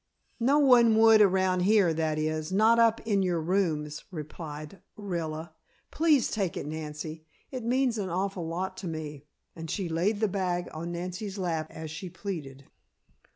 "No one would around here, that is, not up in your rooms," replied Orilla. "Please take it, Nancy. It means an awful lot to me," and she laid the bag on Nancy's lap as she pleaded.